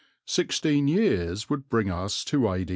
Sixteen years would bring us to A.